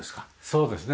そうですね。